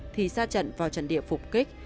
thì xa trận vào trận địa phục kích